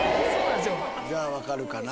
じゃあ分かるかな